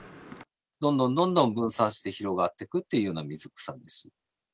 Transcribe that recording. どんどんどんどん分散して広がっていくっていうような水草ですね。